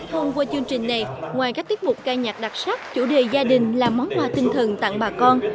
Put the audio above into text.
thông qua chương trình này ngoài các tiết mục ca nhạc đặc sắc chủ đề gia đình là món quà tinh thần tặng bà con